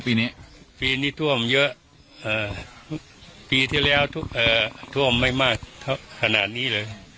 ปีนี้ท่วมเยอะอ่าปีที่แล้วอ่าท่วมไม่มากขนาดนี้เลยอ่า